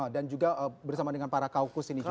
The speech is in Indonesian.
dan juga bersama dengan para kaukus ini juga